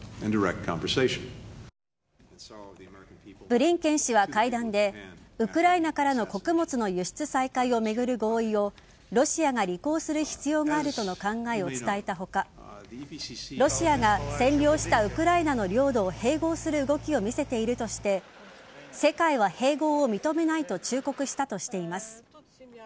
ブリンケン氏は会談でウクライナからの穀物の輸出再開を巡る合意をロシアが履行する必要があるとの考えを伝えた他ロシアが占領したウクライナの領土を併合する動きを見せているとして世界は併合を認めないと忠告したとしています。